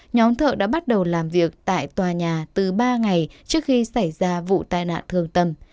nhóm thợ đã bắt đầu làm việc tại tòa nhà từ ba ngày trước khi xảy ra vụ tai nạn thường tầm